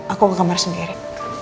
aku ke kamar sendiri